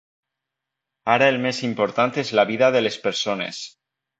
Ara el més important és la vida de les persones.